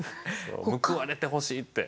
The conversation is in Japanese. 報われてほしいって。